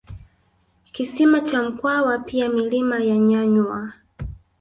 Kisima cha Mkwawa pia milima ya Nyanywa